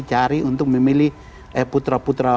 cari untuk memilih putra putra